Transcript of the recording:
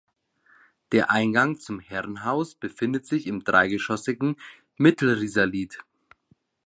Der Eingang zum Herrenhaus befindet sich im dreigeschossigen Mittelrisalit.